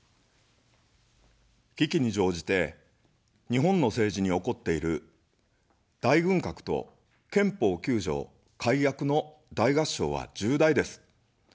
危機に乗じて、日本の政治に起こっている大軍拡と憲法９条改悪の大合唱は重大です。